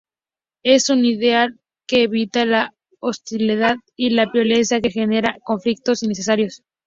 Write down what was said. Es un ideal que evita la hostilidad y la violencia que generan conflictos innecesarios.